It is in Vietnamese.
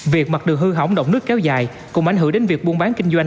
việc mặt đường hư hỏng động nước kéo dài cũng ảnh hưởng đến việc buôn bán kinh doanh